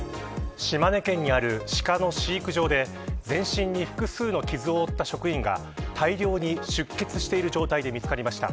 島根県にあるシカの飼育場で全身に複数の傷を負った職員が大量に出血している状態で見つかりました。